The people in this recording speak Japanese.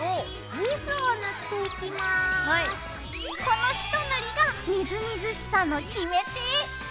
このひと塗りがみずみずしさの決め手。